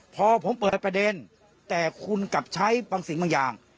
พอผมเปิดประเด็นแต่คุณกลับใช้บางสิ่งบางอย่าง